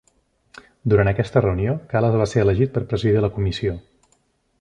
Durant aquesta reunió, Kalas va ser elegit per presidir la comissió.